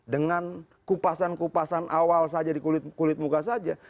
dengan kupasan kupasan awal saja di kulit muka saja